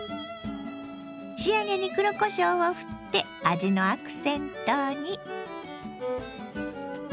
仕上げに黒こしょうをふって味のアクセントに。